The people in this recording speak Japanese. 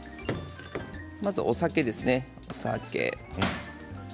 まず、お酒ですね。